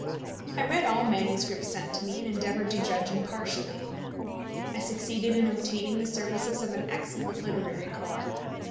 I read all manuscripts sent to me, and endeavoured to judge impartially. I succeeded in obtaining the services of an excellent literary corps.